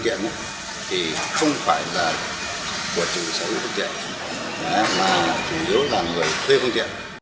thì không phải là của chủ sở hữu công trình mà chủ yếu là người thuê công trình